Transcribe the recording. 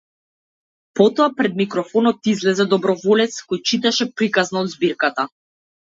Потоа пред микрофонот излезе доброволец кој читаше приказна од збирката.